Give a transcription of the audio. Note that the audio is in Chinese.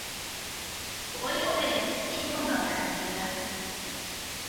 我有被戏弄的感觉